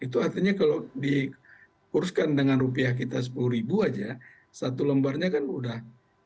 itu artinya kalau dikuruskan dengan rupiah kita sepuluh ribu aja satu lembarnya kan udah